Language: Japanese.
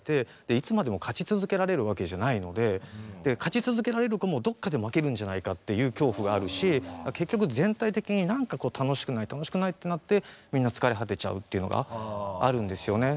いつまでも勝ち続けられるわけじゃないのでで、勝ち続けられる子もどっかで負けるんじゃないかっていう恐怖があるし結局、全体的に楽しくないってなってみんな疲れ果てちゃうっていうのがあるんですよね。